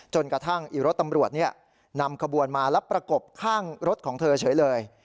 กระทั่งอีรถตำรวจนำขบวนมาแล้วประกบข้างรถของเธอเฉยเลย